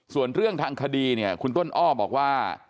ส่วนเรื่องทางคดีเนี่ยคุณต้นอ้อบอกว่า